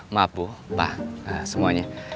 maaf bu pa semuanya